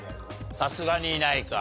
さすがにいないか。